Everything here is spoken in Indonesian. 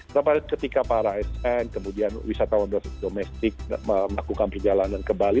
karena ketika para asm kemudian wisatawan domestik melakukan perjalanan ke bali